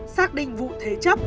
xác định vụ thế chấp